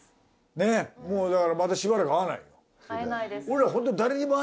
ねぇもうだからまたしばらく会わないもん。